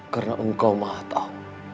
karena engkau mahat amu